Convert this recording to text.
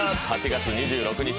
８月２６日